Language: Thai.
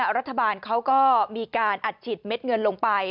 รัฐบาลเขาก็มีการอัดฉีดเม็ดเงินลงไป